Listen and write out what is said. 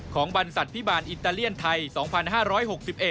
ของบรรษัทพิบาลอิตาเลียนไทย๒๕๖๑